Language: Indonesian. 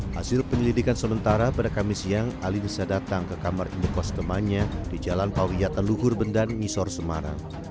hasil penyelidikan sementara pada kamis siang alinisa datang ke kamar indekos temannya di jalan pawiyatan luhur bendan ngisor semarang